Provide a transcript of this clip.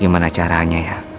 aduh gimana caranya ya